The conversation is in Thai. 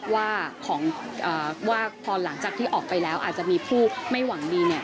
ว่าพอหลังจากที่ออกไปแล้วอาจจะมีผู้ไม่หวังดีเนี่ย